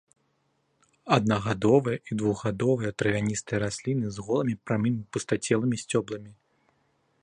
Аднагадовыя і двухгадовыя травяністыя расліны з голымі, прамымі, пустацелымі сцёбламі.